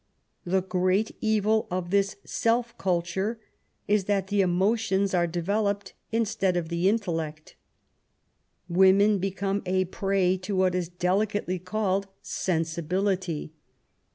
The great evil of this self culture is that the emotions are developed instead of the intellect. Women become a prey to what is delicately called sensibility.